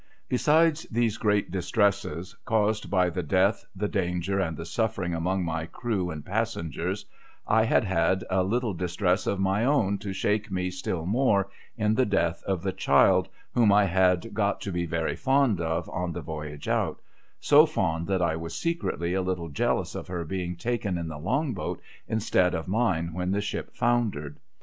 Besides these great distresses, caused by the death, the danger, and the suffering among my crew and passengers, I had had a httle distress of my own to shake me still more, in the death of the child whom I had got to be very fond of on the voyage out — so fond that I was secretly a little jealous of her being taken in the Long boat instead of mine when the ship foundered.